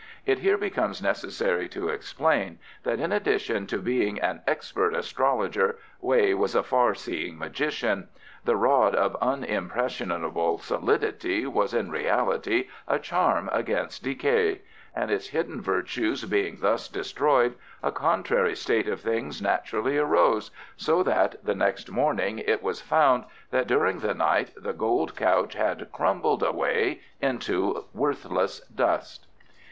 It here becomes necessary to explain that in addition to being an expert astrologer, Wei was a far seeing magician. The rod of unimpressionable solidity was in reality a charm against decay, and its hidden virtues being thus destroyed, a contrary state of things naturally arose, so that the next morning it was found that during the night the gold couch had crumbled away into a worthless dust.